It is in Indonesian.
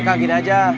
kak gini aja